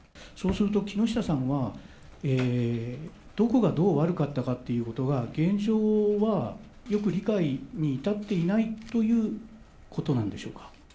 そうすると木下さんは、どこがどう悪かったかっていうことが、現状はよく理解に至っていないということなんでしょうか？